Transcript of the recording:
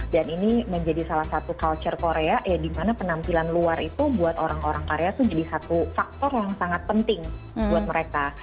dan ini menjadi salah satu culture korea ya dimana penampilan luar itu buat orang orang korea itu jadi satu faktor yang sangat penting buat mereka